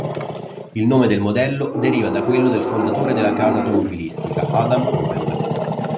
Il nome del modello deriva da quello del fondatore della casa automobilistica, Adam Opel.